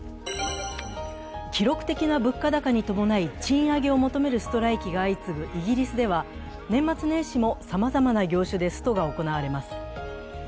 記録的な物価高に伴い賃上げを求めるストライキが相次ぐイギリスでは年末年始もさまざまな業種でストが行われます。